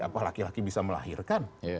apa laki laki bisa melahirkan